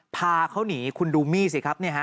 พาเขาหนีคุณดูมี่สิครับ